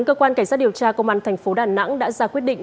cơ quan cảnh sát điều tra công an tp đà nẵng đã ra quyết định